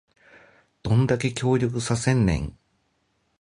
どんだけ協力させんねん